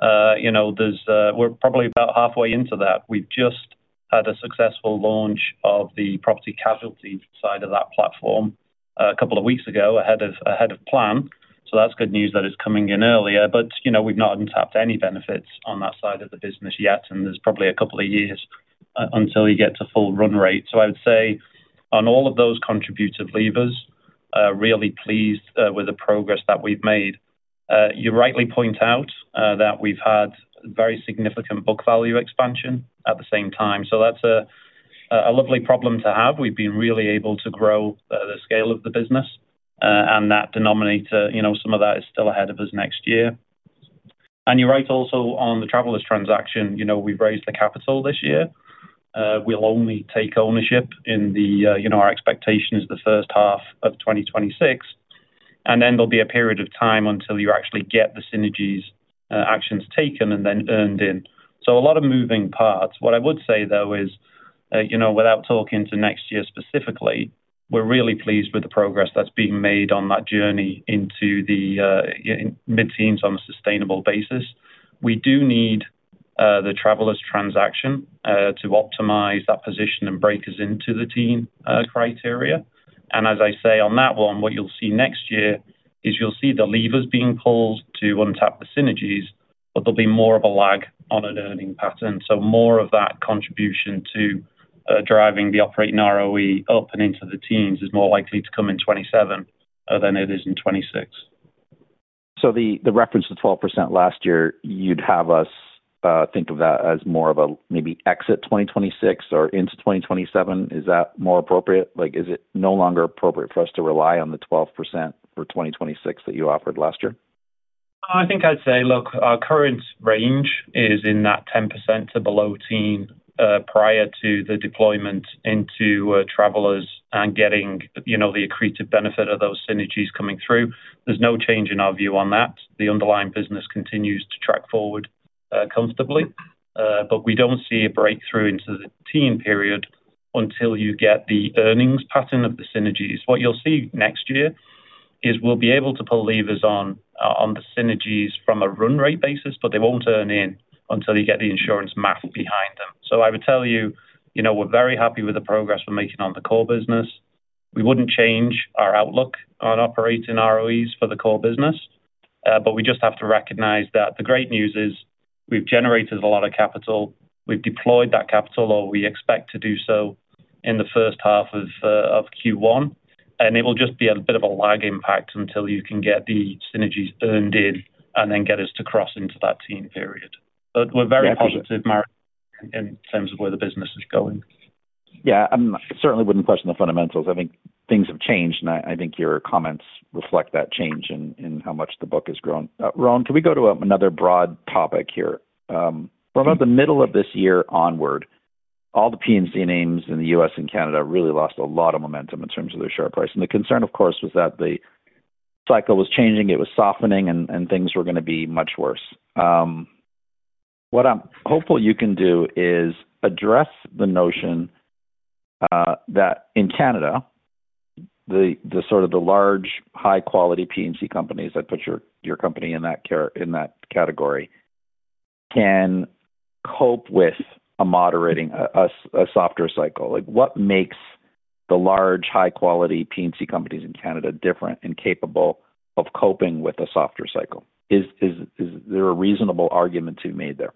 D: we're probably about halfway into that. We've just had a successful launch of the property casualty side of that platform a couple of weeks ago ahead of plan. That's good news that it's coming in earlier. We've not untapped any benefits on that side of the business yet, and there's probably a couple of years until you get to full run rate. I would say on all of those contributive levers, really pleased with the progress that we've made. You rightly point out that we've had very significant book value expansion at the same time. That's a lovely problem to have. We've been really able to grow the scale of the business and that denominator, some of that is still ahead of us next year. You're right also on the Travelers transaction, we've raised the capital this year. We'll only take ownership in our expectations the first half of 2026. There will be a period of time until you actually get the synergies actions taken and then earned in. A lot of moving parts. What I would say, though, is without talking to next year specifically, we're really pleased with the progress that's being made on that journey into the mid-teens on a sustainable basis. We do need the Travelers transaction to optimize that position and break us into the teen criteria. As I say on that one, what you'll see next year is you'll see the levers being pulled to untap the synergies, but there'll be more of a lag on an earning pattern. More of that contribution to driving the operating ROE up and into the teens is more likely to come in 2027 than it is in 2026.
K: The reference to 12% last year, you'd have us think of that as more of a maybe exit 2026 or into 2027. Is that more appropriate? Is it no longer appropriate for us to rely on the 12% for 2026 that you offered last year?
D: I think I'd say, look, our current range is in that 10% to below teen prior to the deployment into Travelers and getting the accretive benefit of those synergies coming through. There's no change in our view on that. The underlying business continues to track forward comfortably, but we don't see a breakthrough into the teen period until you get the earnings pattern of the synergies. What you'll see next year is we'll be able to pull levers on the synergies from a run rate basis, but they won't turn in until you get the insurance math behind them. I would tell you we're very happy with the progress we're making on the core business. We wouldn't change our outlook on operating ROEs for the core business, but we just have to recognize that the great news is we've generated a lot of capital. We've deployed that capital, or we expect to do so in the first half of Q1. It will just be a bit of a lag impact until you can get the synergies earned in and then get us to cross into that teen period. We are very positive, Mario, in terms of where the business is going.
K: Yeah. I certainly wouldn't question the fundamentals. I think things have changed, and I think your comments reflect that change in how much the book has grown. Rowan, can we go to another broad topic here? From about the middle of this year onward, all the P&C names in the U.S. and Canada really lost a lot of momentum in terms of their share price. The concern, of course, was that the cycle was changing, it was softening, and things were going to be much worse. What I'm hopeful you can do is address the notion that in Canada, the sort of the large high-quality P&C companies that put your company in that category can cope with a moderating, a softer cycle. What makes the large high-quality P&C companies in Canada different and capable of coping with a softer cycle? Is there a reasonable argument to be made there?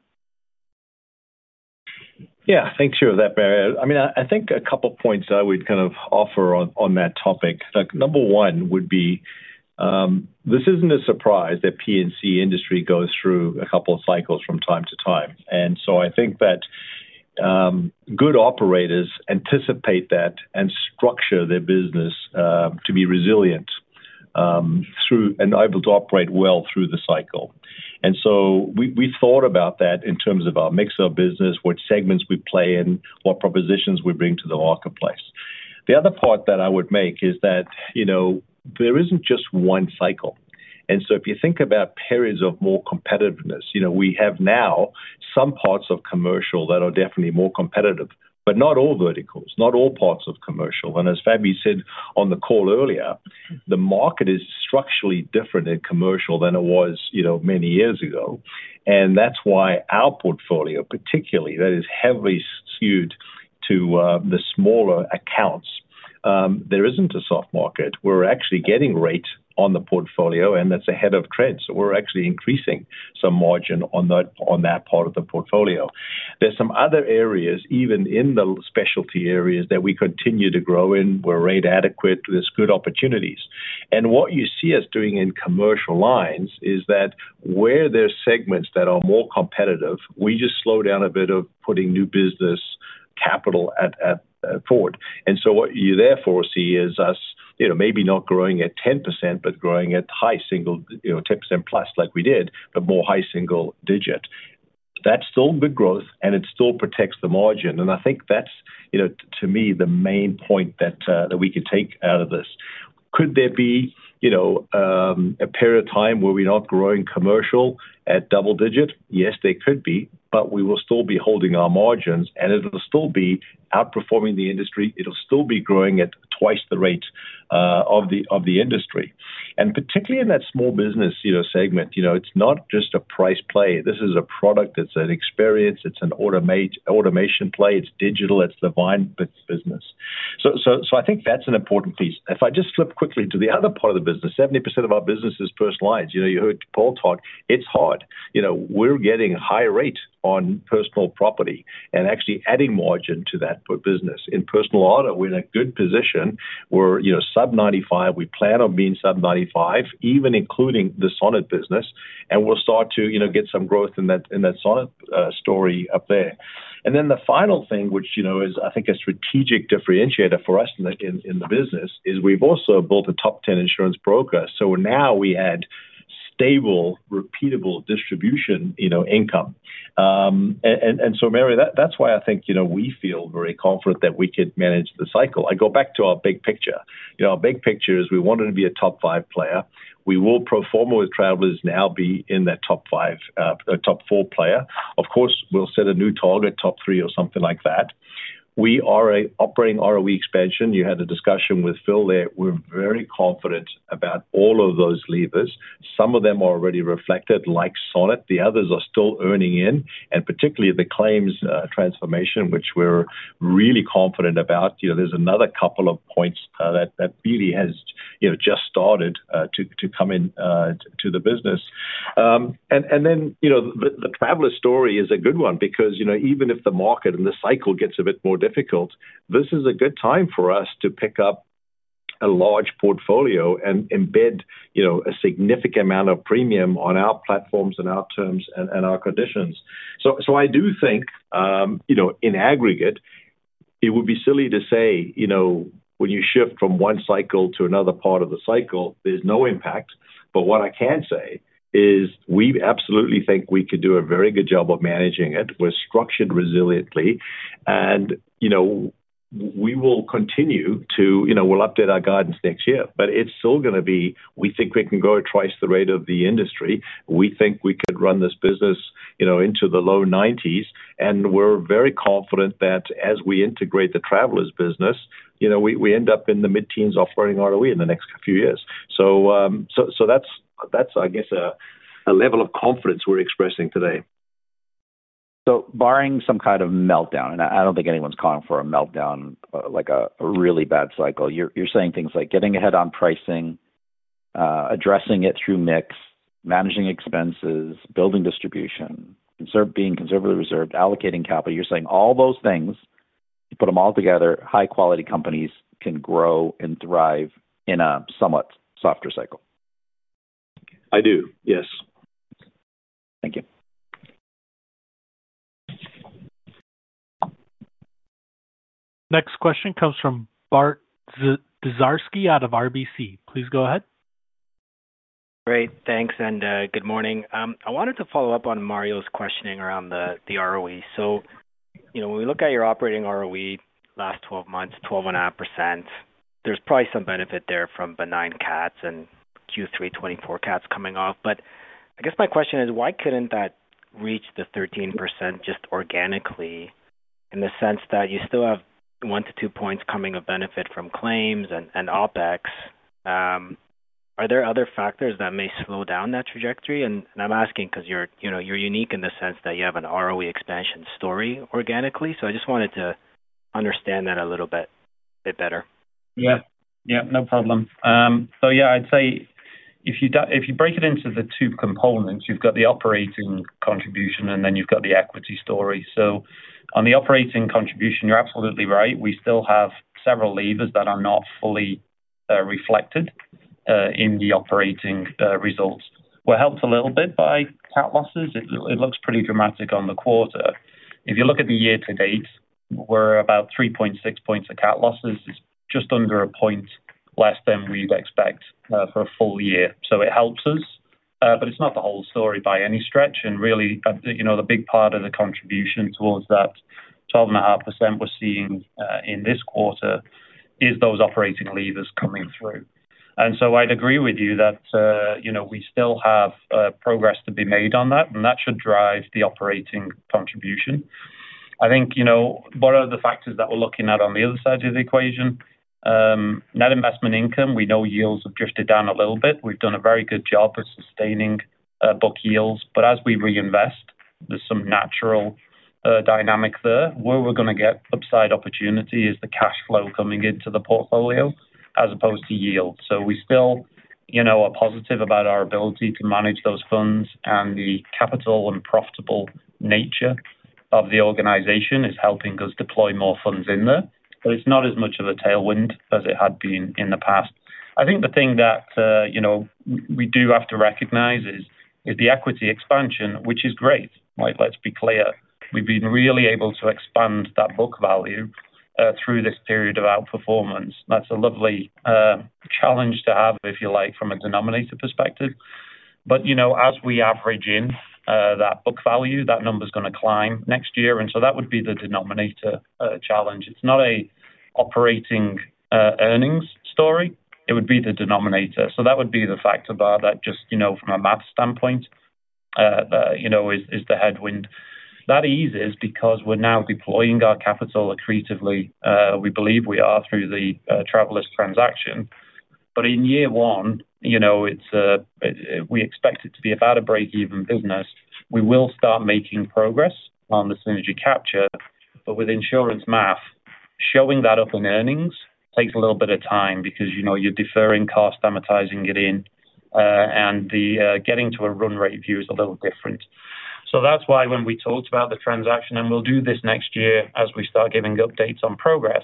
C: Yeah. Thanks for that, Mario. I mean, I think a couple of points I would kind of offer on that topic. Number one would be this isn't a surprise that P&C industry goes through a couple of cycles from time to time. I think that good operators anticipate that and structure their business to be resilient and able to operate well through the cycle. We thought about that in terms of our mix of business, what segments we play in, what propositions we bring to the marketplace. The other part that I would make is that there isn't just one cycle. If you think about periods of more competitiveness, we have now some parts of commercial that are definitely more competitive, but not all verticals, not all parts of commercial. As Fabian said on the call earlier, the market is structurally different in commercial than it was many years ago. That is why our portfolio, particularly, that is heavily skewed to the smaller accounts. There is not a soft market. We are actually getting rates on the portfolio, and that is ahead of trends. We are actually increasing some margin on that part of the portfolio. There are some other areas, even in the specialty areas that we continue to grow in, we are rate adequate, there are good opportunities. What you see us doing in commercial lines is that where there are segments that are more competitive, we just slow down a bit of putting new business capital forward. What you therefore see is us maybe not growing at 10%, but growing at high single, 10%+ like we did, but more high single digit. That's still good growth, and it still protects the margin. I think that's, to me, the main point that we can take out of this. Could there be a period of time where we're not growing commercial at double digit? Yes, there could be, but we will still be holding our margins, and it'll still be outperforming the industry. It'll still be growing at twice the rate of the industry. Particularly in that small business segment, it's not just a price play. This is a product that's an experience. It's an automation play. It's digital. It's the vine business. I think that's an important piece. If I just flip quickly to the other part of the business, 70% of our business is personal lines. You heard Paul talk. It's hard. We're getting high rate on personal property and actually adding margin to that business. In personal auto, we're in a good position. We're sub-95. We plan on being sub-95, even including the Sonnet business, and we'll start to get some growth in that Sonnet story up there. The final thing, which is, I think, a strategic differentiator for us in the business, is we've also built a top 10 insurance broker. Now we have stable, repeatable distribution income. Mario, that's why I think we feel very confident that we could manage the cycle. I go back to our big picture. Our big picture is we wanted to be a top five player. We will perform with Travelers, now be in that top four player. Of course, we'll set a new target, top three or something like that. We are operating ROE expansion. You had a discussion with Phil there. We're very confident about all of those levers. Some of them are already reflected like Sonnet. The others are still earning in, and particularly the claims transformation, which we're really confident about. There's another couple of points that really has just started to come into the business. The Travelers story is a good one because even if the market and the cycle gets a bit more difficult, this is a good time for us to pick up a large portfolio and embed a significant amount of premium on our platforms and our terms and our conditions. I do think in aggregate, it would be silly to say when you shift from one cycle to another part of the cycle, there's no impact. What I can say is we absolutely think we could do a very good job of managing it. We're structured resiliently, and we will continue to, we'll update our guidance next year, but it's still going to be, we think we can grow at twice the rate of the industry. We think we could run this business into the low 90s, and we're very confident that as we integrate the Travelers business, we end up in the mid-teens operating ROE in the next few years. That's, I guess, a level of confidence we're expressing today.
K: Barring some kind of meltdown, and I do not think anyone's calling for a meltdown, like a really bad cycle, you're saying things like getting ahead on pricing, addressing it through mix, managing expenses, building distribution, being conservatively reserved, allocating capital. You're saying all those things, you put them all together, high-quality companies can grow and thrive in a somewhat softer cycle.
C: I do. Yes.
K: Thank you.
A: Next question comes from Bart Dziarski out of RBC. Please go ahead.
L: Great. Thanks. Good morning. I wanted to follow-up on Mario's questioning around the ROE. When we look at your operating ROE last 12 months, 12.5%, there's probably some benefit there from benign cats and Q3 2024 cats coming off. I guess my question is, why could not that reach the 13% just organically in the sense that you still have one to two points coming of benefit from claims and OpEx? Are there other factors that may slow down that trajectory? I am asking because you are unique in the sense that you have an ROE expansion story organically. I just wanted to understand that a little bit better.
D: Yeah. Yeah. No problem. Yeah, I'd say if you break it into the two components, you've got the operating contribution, and then you've got the equity story. On the operating contribution, you're absolutely right. We still have several levers that are not fully reflected in the operating results. We're helped a little bit by cat losses. It looks pretty dramatic on the quarter. If you look at the year-to-date, we're about 3.6 percentage points of cat losses. It's just under a point less than we'd expect for a full year. It helps us, but it's not the whole story by any stretch. Really, the big part of the contribution towards that 12.5% we're seeing in this quarter is those operating levers coming through. I'd agree with you that we still have progress to be made on that, and that should drive the operating contribution. I think one of the factors that we're looking at on the other side of the equation, net investment income, we know yields have drifted down a little bit. We've done a very good job of sustaining book yields, but as we reinvest, there's some natural dynamic there. Where we're going to get upside opportunity is the cash flow coming into the portfolio as opposed to yield. We still are positive about our ability to manage those funds, and the capital and profitable nature of the organization is helping us deploy more funds in there. It's not as much of a tailwind as it had been in the past. I think the thing that we do have to recognize is the equity expansion, which is great. Let's be clear. We've been really able to expand that book value through this period of outperformance. That's a lovely challenge to have, if you like, from a denominator perspective. But as we average in that book value, that number's going to climb next year. And so that would be the denominator challenge. It's not an operating earnings story. It would be the denominator. So that would be the factor bar that just from a math standpoint is the headwind. That eases because we're now deploying our capital accretively. We believe we are through the Travelers transaction. But in year one, we expect it to be about a break-even business. We will start making progress on the synergy capture, but with insurance math, showing that up in earnings takes a little bit of time because you're deferring cost, amortizing it in, and getting to a run rate view is a little different. That is why when we talked about the transaction, and we will do this next year as we start giving updates on progress,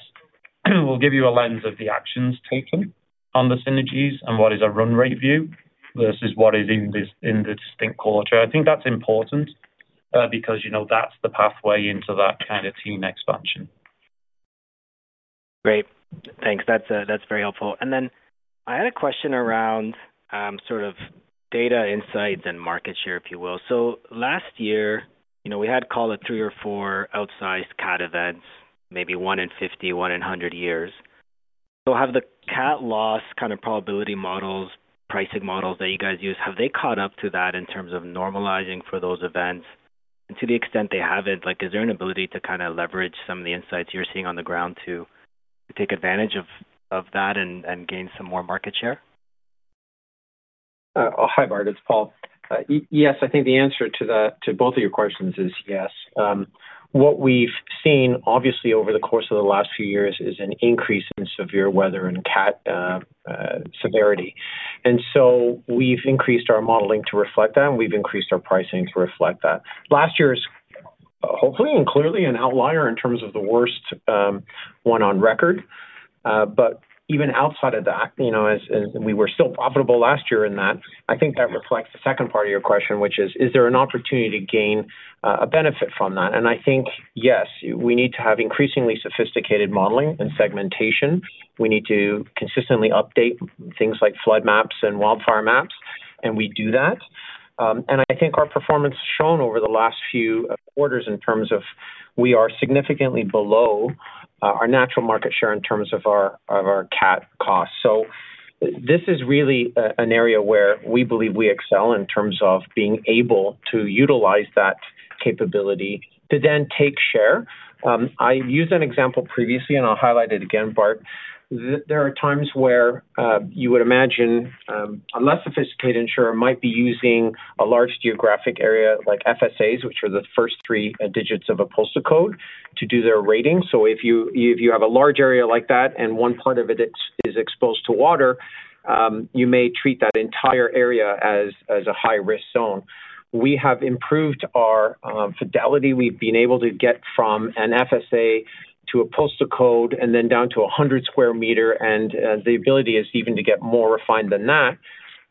D: we will give you a lens of the actions taken on the synergies and what is a run rate view versus what is in the distinct quarter. I think that is important because that is the pathway into that kind of teen expansion.
L: Great. Thanks. That's very helpful. I had a question around sort of data insights and market share, if you will. Last year, we had called it three or four outsized cat events, maybe one in 50 years, one in 100 years. Have the cat loss kind of probability models, pricing models that you guys use, have they caught up to that in terms of normalizing for those events? To the extent they haven't, is there an ability to kind of leverage some of the insights you're seeing on the ground to take advantage of that and gain some more market share?
F: Hi, Martin. It's Paul. Yes, I think the answer to both of your questions is yes. What we've seen, obviously, over the course of the last few years is an increase in severe weather and cat severity. We have increased our modeling to reflect that, and we've increased our pricing to reflect that. Last year is hopefully and clearly an outlier in terms of the worst one on record. Even outside of that, we were still profitable last year in that. I think that reflects the second part of your question, which is, is there an opportunity to gain a benefit from that? I think, yes, we need to have increasingly sophisticated modeling and segmentation. We need to consistently update things like flood maps and wildfire maps, and we do that. I think our performance shown over the last few quarters in terms of we are significantly below our natural market share in terms of our cat costs. This is really an area where we believe we excel in terms of being able to utilize that capability to then take share. I used an example previously, and I'll highlight it again, Bart. There are times where you would imagine a less sophisticated insurer might be using a large geographic area like FSAs, which are the first three digits of a postal code, to do their rating. If you have a large area like that and one part of it is exposed to water, you may treat that entire area as a high-risk zone. We have improved our fidelity. We've been able to get from an FSA to a postal code and then down to a 100 sq metre, and the ability is even to get more refined than that.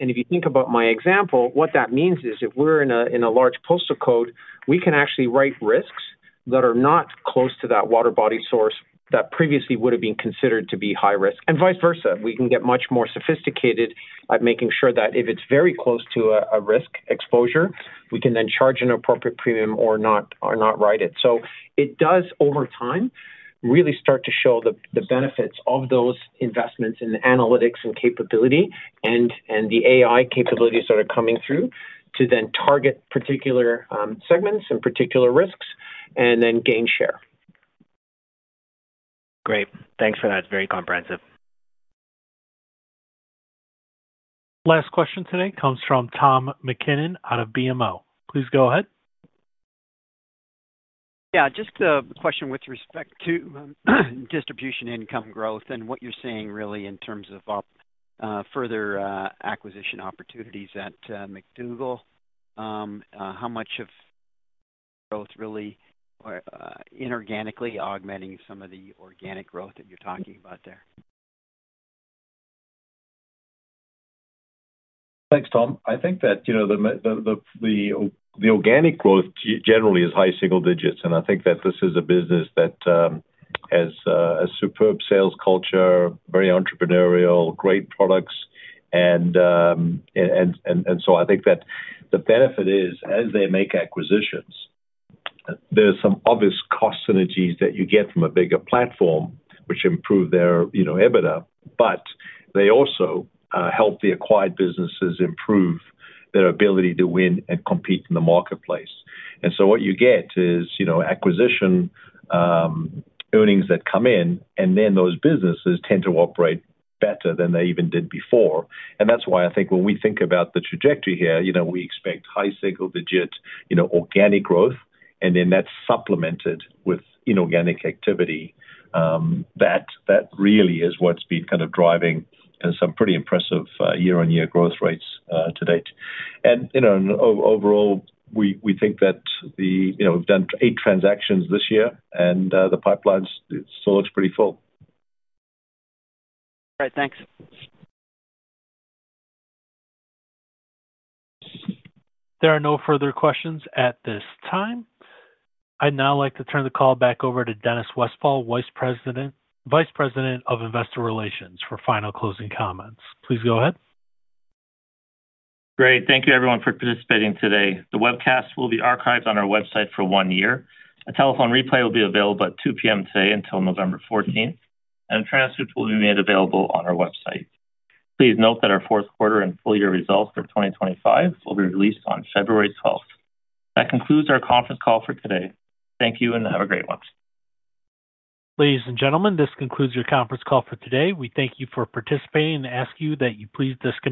F: If you think about my example, what that means is if we're in a large postal code, we can actually write risks that are not close to that water body source that previously would have been considered to be high risk. Vice versa, we can get much more sophisticated at making sure that if it's very close to a risk exposure, we can then charge an appropriate premium or not write it. It does, over time, really start to show the benefits of those investments in analytics and capability and the AI capabilities that are coming through to then target particular segments and particular risks and then gain share.
L: Great. Thanks for that. It's very comprehensive.
A: Last question today comes from Tom MacKinnon out of BMO. Please go ahead.
M: Yeah. Just a question with respect to distribution income growth and what you're seeing really in terms of further acquisition opportunities at McDougall. How much of growth really inorganically augmenting some of the organic growth that you're talking about there?
C: Thanks, Tom. I think that the organic growth generally is high single digits, and I think that this is a business that has a superb sales culture, very entrepreneurial, great products. I think that the benefit is, as they make acquisitions, there's some obvious cost synergies that you get from a bigger platform, which improve their EBITDA, but they also help the acquired businesses improve their ability to win and compete in the marketplace. What you get is acquisition earnings that come in, and then those businesses tend to operate better than they even did before. That is why I think when we think about the trajectory here, we expect high single digit organic growth, and then that's supplemented with inorganic activity. That really s what's been kind of driving some pretty impressive year-on-year growth rates to date. Overall, we think that we've done eight transactions this year, and the pipeline still looks pretty full.
M: All right. Thanks.
A: There are no further questions at this time. I'd now like to turn the call back over to Dennis Westfall, Vice President of Investor Relations, for final closing comments. Please go ahead.
B: Great. Thank you, everyone, for participating today. The webcast will be archived on our website for one year. A telephone replay will be available at 2:00 P.M. today until November 14, and a transcript will be made available on our website. Please note that our fourth quarter and full year results for 2025 will be released on February 12. That concludes our conference call for today. Thank you, and have a great one.
A: Ladies and gentlemen, this concludes your conference call for today. We thank you for participating and ask that you please disconnect.